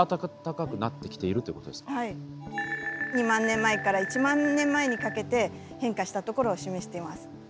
２万年前から１万年前にかけて変化したところを示しています。